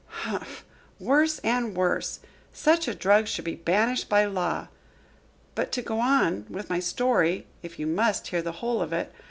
"Humph! Worse and worse! Such a drug should be banished by law. But to go on with my story, if you must hear the whole of it.